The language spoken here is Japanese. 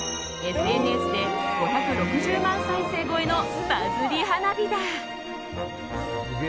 ＳＮＳで５６０万再生超えのバズり花火だ。